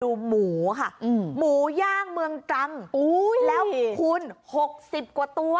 ดูหมูค่ะอืมหมูย่างเมืองตรังอุ้ยแล้วคุณหกสิบกว่าตัว